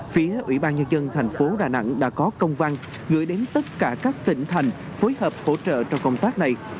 phía ủy ban nhân dân thành phố đà nẵng đã có công văn gửi đến tất cả các tỉnh thành phối hợp hỗ trợ trong công tác này